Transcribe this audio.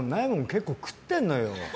結構、食ってるのよ。